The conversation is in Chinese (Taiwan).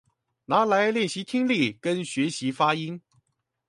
拿來練習聽力跟學習發音